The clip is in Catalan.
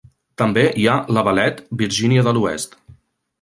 També hi ha Lavalette, Virgínia de l'Oest.